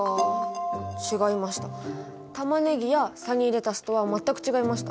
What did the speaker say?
タマネギやサニーレタスとは全く違いました。